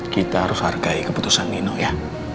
kita harus hargai keputusan nino ya